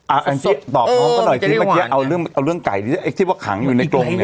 อ่าอันที่ตอบพ้อมาก็หน่อยทีเอาเรื่องไก่เลยไอ้ที่ว่าขังอยู่ในกรงเนี่ย